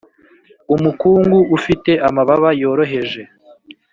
umukungugu ufite amababa yoroheje.